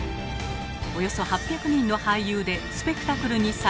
およそ８００人の俳優でスペクタクルに再現！